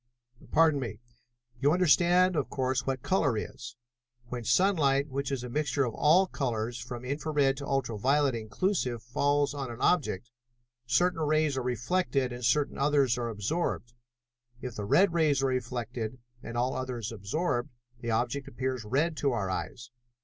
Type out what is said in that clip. "Pardon me. You understand, of course, what color is? When sunlight, which is a mixture of all colors from infra red to ultra violet inclusive, falls on an object, certain rays are reflected and certain others are absorbed. If the red rays are reflected and all others absorbed, the object appears red to our eyes.